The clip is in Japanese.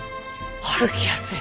歩きやすい。